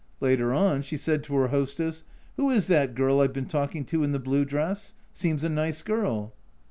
Later on she said to her hostess, " Who is that girl I've been talking to, in the blue dress ? seems a nice girl."